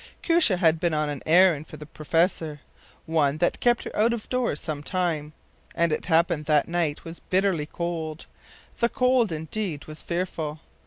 Koosje had been on an errand for the professor, one that had kept her out of doors some time, and it happened that the night was bitterly cold; the cold, indeed, was fearful.